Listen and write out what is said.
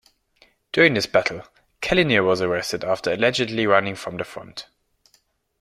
During this battle Kelliher was arrested after allegedly running from the front.